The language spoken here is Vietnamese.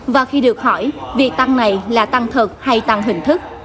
và khi được hỏi việc tăng này là tăng thật hay tăng hình thức